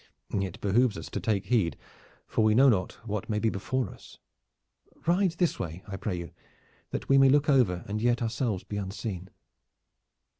It behooves us to take heed, for we know not what may be before us. Ride this way, I pray you, that we may look over and yet be ourselves unseen."